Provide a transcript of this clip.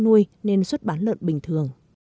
nuôi nên xuất bán lợn bình thường